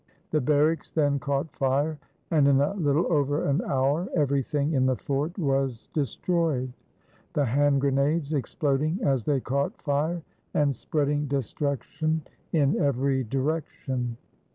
The barracks then caught fire, and in a little over an hour everything in the fort was destroyed, the hand grenades exploding as they caught fire and spreading destruction in every direction.